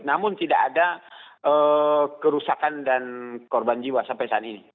namun tidak ada kerusakan dan korban jiwa sampai saat ini